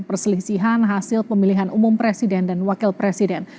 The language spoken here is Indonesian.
perselisihan hasil pemilihan umum presiden dan wakil presiden